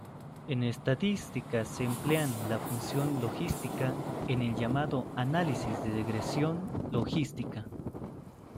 En estadística se emplean la función logística en el llamado análisis de regresión logística.